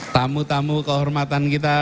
tamu tamu kehormatan kita